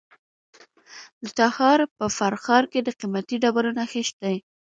د تخار په فرخار کې د قیمتي ډبرو نښې دي.